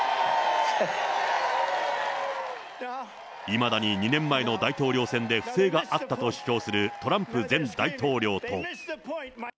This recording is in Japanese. いまだに２年前の大統領選で不正があったと主張するトランプ前大統領と。